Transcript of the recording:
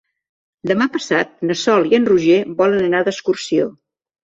Demà passat na Sol i en Roger volen anar d'excursió.